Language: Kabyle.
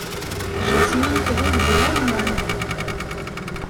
Jasmin tlul deg Lalman.